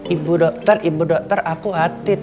ibu dokter ibu dokter aku hatid